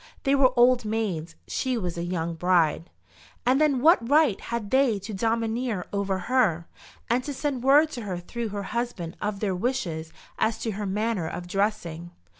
They were old maids; she was a young bride. And then what right had they to domineer over her, and to send word to her through her husband of their wishes as to her manner of dressing?